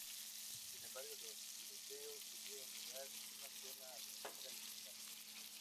Sin embargo, los tiroteos tuvieron lugar en una zona tranquila y vigilada.